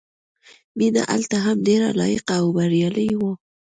مینه هلته هم ډېره لایقه او بریالۍ وه